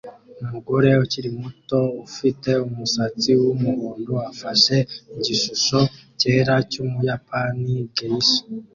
Umugore ukiri muto ufite umusatsi wumuhondo afashe igishusho cyera cyumuyapani geisha